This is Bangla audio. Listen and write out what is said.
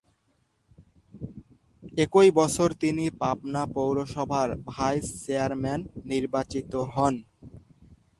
একই বছর তিনি পাবনা পৌরসভার ভাইস চেয়ারম্যান নির্বাচিত হন।